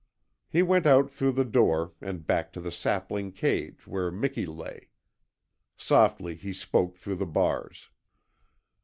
He went out through the door and back to the sapling cage where Miki lay. Softly he spoke through the bars.